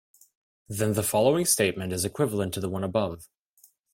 Then the following statement is equivalent to the one above.